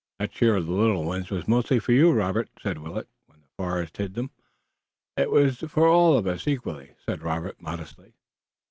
"That cheer of the little ones was mostly for you, Robert," said Willet, when the forest hid them. "It was for all of us equally," said Robert modestly.